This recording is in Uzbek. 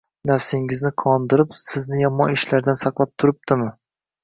nafsingizni qondirib, sizni yomon ishlardan saqlab turibdimi